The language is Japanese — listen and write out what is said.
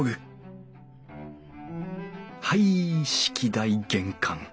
はい式台玄関。